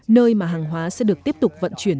nơi mà hàng hóa sẽ được tiếp tục vận chuyển